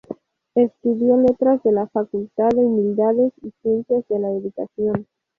Estudió Letras de la Facultad de Humanidades y Ciencias de la Educación.